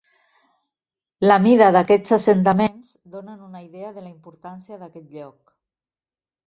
La mida d'aquests assentaments donen una idea de la importància d'aquest lloc.